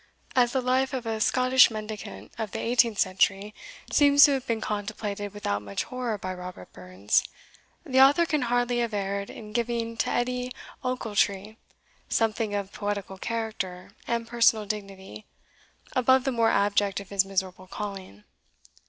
As the life of a Scottish mendicant of the eighteenth century seems to have been contemplated without much horror by Robert Burns, the author can hardly have erred in giving to Edie Ochiltree something of poetical character and personal dignity, above the more abject of his miserable calling.